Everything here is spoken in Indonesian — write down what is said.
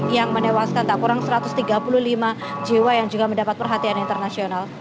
yang menewaskan tak kurang satu ratus tiga puluh lima jiwa yang juga mendapat perhatian internasional